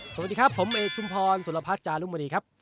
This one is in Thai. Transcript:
สวัสดีครับผมเอกชุมพรสุรพัฒน์จารุมณีครับ